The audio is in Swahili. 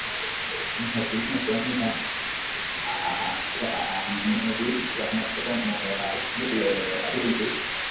Mheshimiwa Samia alikamilisha masomo ya shule ya upili